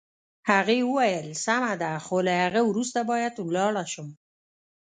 هغې وویل: سمه ده، خو له هغه وروسته باید ولاړه شم.